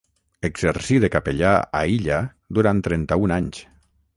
Exercí de capellà a Illa durant trenta-un anys.